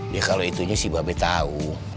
ya kalo itunya si babe tau